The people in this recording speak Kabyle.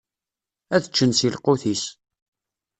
Ad ččen si lqut-is.